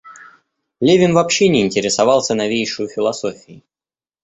Левин вообще не интересовался новейшею философией.